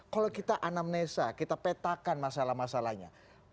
kalau kita anamnesa kita petakan masalah masalahnya